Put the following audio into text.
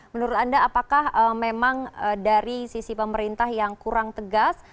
menurut anda apakah memang dari sisi pemerintah yang kurang tegas